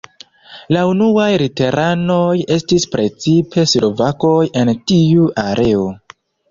La unuaj luteranoj estis precipe slovakoj en tiu areo.